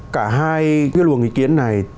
cả hai cái luồng ý kiến này